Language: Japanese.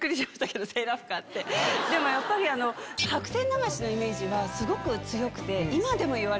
でもやっぱり『白線流し』のイメージはすごく強くて。